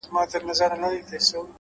هره تجربه د فکر نوی بُعد دی.!